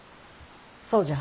そうじゃ。